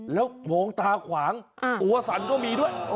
แล้วมองตาขวางตัวสั่นก็มีด้วย